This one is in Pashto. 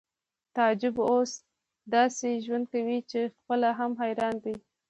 تعجب اوس داسې ژوند کوي چې خپله هم حیران دی